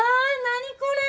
何これ？